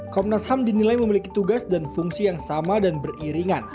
komnas ham dinilai memiliki tugas dan fungsi yang sama dan beriringan